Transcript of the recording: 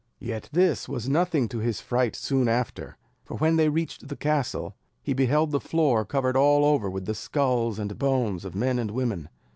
Yet this was nothing to his fright soon after; for when they reached the castle, he beheld the floor covered all over with the skulls and bones of men and women.